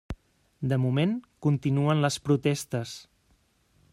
De moment, continuen les protestes.